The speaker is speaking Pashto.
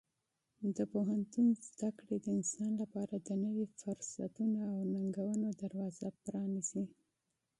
د پوهنتون زده کړې د انسان لپاره د نوي فرصتونو او ننګونو دروازه پرانیزي.